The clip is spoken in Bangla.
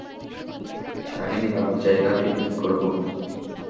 তাকে নিরাপদ যায়গা কিডন্যাপ করবো।